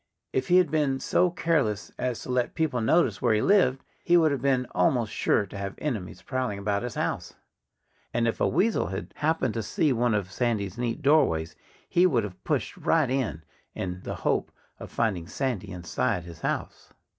If he had been so careless as to let people notice where he lived he would have been almost sure to have enemies prowling about his house. And if a weasel had happened to see one of Sandy's neat doorways he would have pushed right in, in the hope of finding Sandy inside his house.